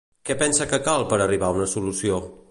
Què pensa que cal per arribar a una solució?